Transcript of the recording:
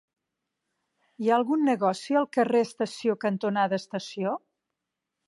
Hi ha algun negoci al carrer Estació cantonada Estació?